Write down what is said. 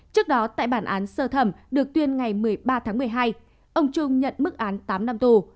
trước đó tại bản án sơ thẩm được tuyên ngày một mươi ba tháng một mươi hai ông trung nhận mức án tám năm tù